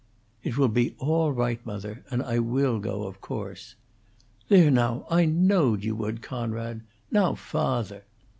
"It will be all right, mother. And I will go, of course." "There, now, I knowed you would, Coonrod. Now, fawther!"